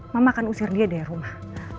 mama akan usir dia dari rumah